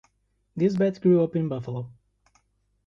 Nisbet grew up in Buffalo.